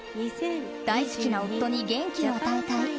大好きな夫に元気を与えたい。